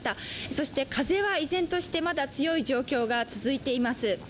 そして、風は依然としてまだ強い状況が続いています。